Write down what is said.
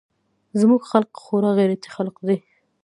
زموږ خلق خورا غيرتي خلق دي.